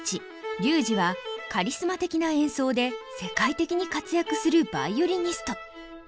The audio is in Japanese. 龍仁はカリスマ的な演奏で世界的に活躍するヴァイオリニスト。